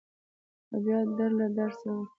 او بیا در له درس درکوي.